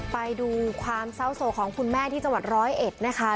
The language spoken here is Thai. ไปดูความเศร้าโศกของคุณแม่ที่จังหวัดร้อยเอ็ดนะคะ